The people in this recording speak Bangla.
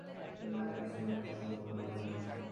তিনি নদীতে স্নান করার সময় উধাও হয়ে যান।